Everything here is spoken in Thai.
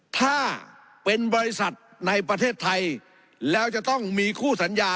ถ้าเป็นบริษัทในประเทศไทยแล้วจะต้องมีคู่สัญญา